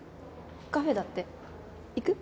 カフェだって行く？